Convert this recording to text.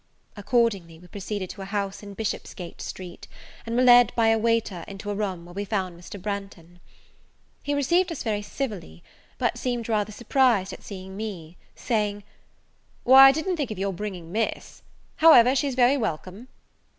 Accordingly, we proceeded to a house in Bishopsgate Street, and were led by a waiter into a room where we found Mr. Branghton. He received us very civilly; but seemed rather surprised at seeing me, saying, "Why, I didn't think of your bringing Miss; however, she's very welcome."